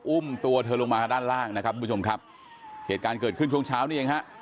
อุ้มตัวเธอลงมาด้านล่างนะครับทุกผู้ชมครับเหตุการณ์เกิดขึ้นช่วงเช้านี้เองฮะ